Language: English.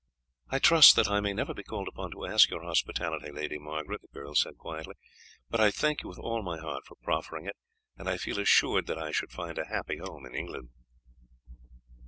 "I trust that I may never be called upon to ask your hospitality, Lady Margaret," the girl said quietly, "but I thank you with all my heart for proffering it, and I feel assured that I should find a happy home in England."